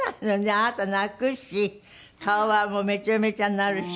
あなた泣くし顔はめちゃめちゃなるし。